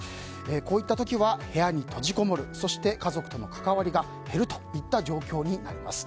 こういった時は部屋に閉じこもるそして家族との関わりが減るといった状況になります。